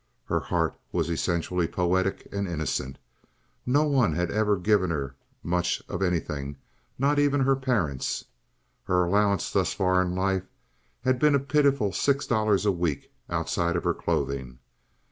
Her heart was essentially poetic and innocent. No one had ever given her much of anything—not even her parents. Her allowance thus far in life had been a pitiful six dollars a week outside of her clothing.